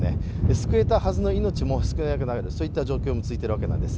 救えたはずの命も救えなくなるそういった状況も続いているわけなんです。